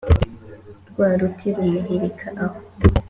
rwa ruti rumuhirika aho